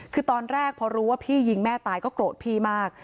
คือตอนแรกพอรู้ว่าพี่ยิงแม่ตายก็โกรธพี่มาก